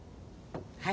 はい。